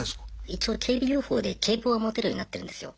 一応警備業法で警棒は持てるようになってるんですよ。